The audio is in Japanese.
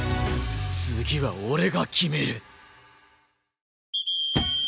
次は俺が決める！